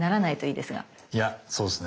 いやそうですね。